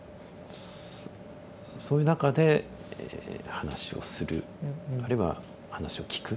そういう中で話をするあるいは話を聞く